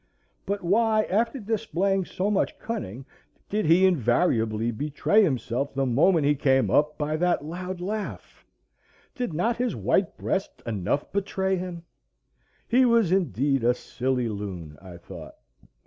But why, after displaying so much cunning, did he invariably betray himself the moment he came up by that loud laugh? Did not his white breast enough betray him? He was indeed a silly loon, I thought.